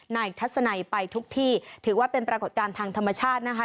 ทัศนัยไปทุกที่ถือว่าเป็นปรากฏการณ์ทางธรรมชาตินะคะ